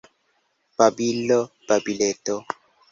Babilo, babileto!